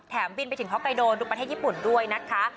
บินไปถึงฮอกไกโดดูประเทศญี่ปุ่นด้วยนะคะ